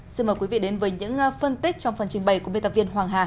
xin mời quý vị đến với những phân tích trong phần trình bày của biên tập viên hoàng hà